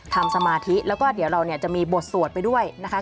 สมาธิแล้วก็เดี๋ยวเราเนี่ยจะมีบทสวดไปด้วยนะคะ